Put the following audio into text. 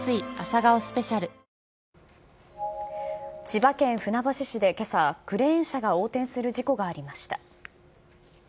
千葉県船橋市でけさ、クレーン車が横転する事故がありました。